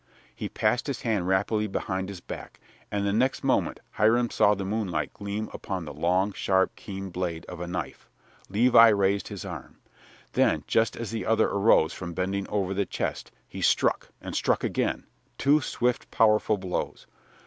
He passed his hand rapidly behind his back, and the next moment Hiram saw the moonlight gleam upon the long, sharp, keen blade of a knife. Levi raised his arm. Then, just as the other arose from bending over the chest, he struck, and struck again, two swift, powerful blows.